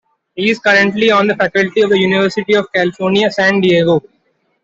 He is currently on the faculty of the University of California, San Diego.